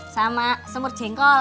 sama semur jengkol